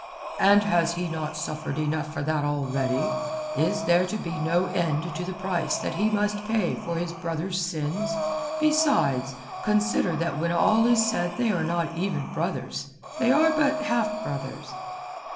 "And has he not suffered enough for that already? Is there to be no end to the price that he must pay for his brother's sins? Besides, consider that when all is said they are not even brothers. They are but half brothers."